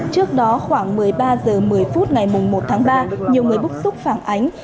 trước đó khoảng một mươi ba h một mươi phút ngày một tháng ba nhiều người bức xúc phản ánh